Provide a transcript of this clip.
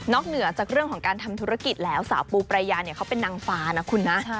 เหนือจากเรื่องของการทำธุรกิจแล้วสาวปูปรายาเนี่ยเขาเป็นนางฟ้านะคุณนะ